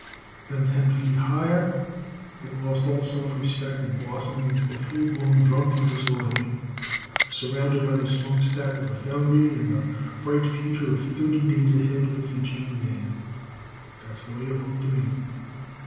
Then ten feet higher it lost all self respect and blossomed into a full blown drunk and disorderly, surrounded by the smokestack of a foundry and the bright future of thirty days ahead with the chain gang. That's the way it looked to me.